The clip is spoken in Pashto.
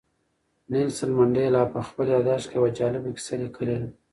نیلسن منډېلا په خپل یاداښت کې یوه جالبه کیسه لیکلې ده.